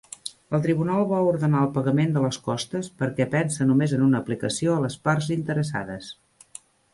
El tribunal va ordenar el pagament de les costes perquè pensa només en una aplicació a les parts interessades.